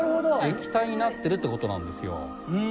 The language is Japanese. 液体になってるって事なんですよ。